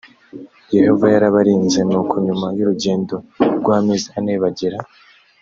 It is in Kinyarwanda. yehova yarabarinze nuko nyuma y urugendo rw amezi ane bagera